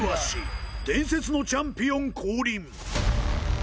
伝説のチャンピオン降臨。